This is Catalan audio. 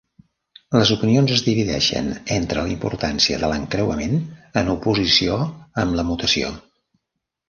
Les opinions es divideixen entre la importància de l'encreuament en oposició amb la mutació.